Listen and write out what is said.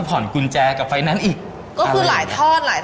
ก็คือหลายทอด